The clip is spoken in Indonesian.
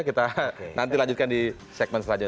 kita nanti lanjutkan di segmen selanjutnya